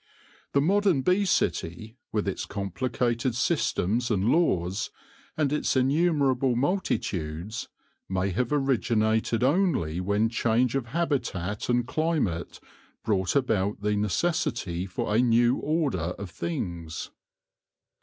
The modern bee city, with its complicated systems and laws, and its innumerable multitudes, may have originated only when change of habitat and climate brought about the necessity for a new order oi things.